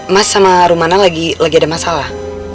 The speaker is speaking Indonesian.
mas sama rumana lagi ada masalah